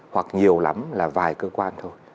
hoặc nhiều lắm là vài cơ quan thôi